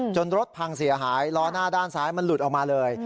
รถพังเสียหายล้อหน้าด้านซ้ายมันหลุดออกมาเลย